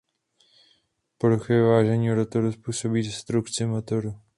Porucha vyvážení rotoru způsobí destrukci motoru.